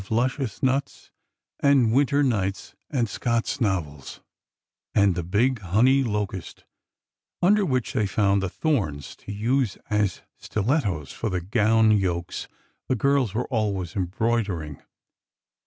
11 luscious nuts and winter nights and Scott's novels; and the big honey locust under which they found the thorns to use as stilettos for the gown yokes the girls were al ways embroidering.